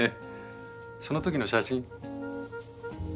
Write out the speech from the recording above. その時の写真。